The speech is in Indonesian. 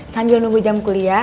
sambil nunggu jam kuliah